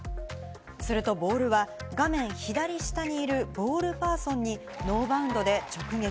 するとボールは画面左下にいるボールパーソンにノーバウンドで直撃。